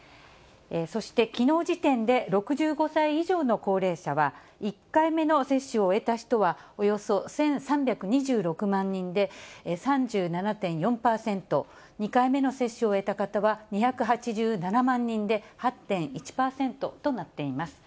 そして、きのう時点で６５歳以上の高齢者は、１回目の接種を終えた人はおよそ１３２６万人で、３７．４％、２回目の接種を終えた方は２８７万人で、８．１％となっています。